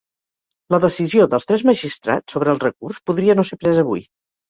La decisió dels tres magistrats sobre el recurs podria no ser presa avui.